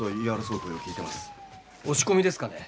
押し込みですかね？